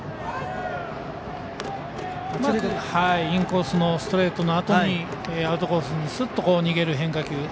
インコースのストレートのあとにアウトコースにすっと逃げる変化球。